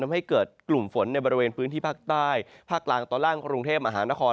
ทำให้เกิดกลุ่มฝนในบริเวณพื้นที่ภาคใต้ภาคกลางตอนล่างกรุงเทพมหานคร